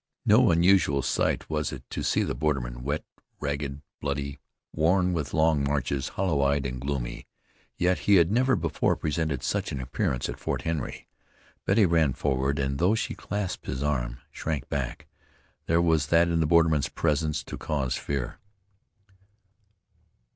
No unusual sight was it to see the borderman wet, ragged, bloody, worn with long marches, hollow eyed and gloomy; yet he had never before presented such an appearance at Fort Henry. Betty ran forward, and, though she clasped his arm, shrank back. There was that in the borderman's presence to cause fear.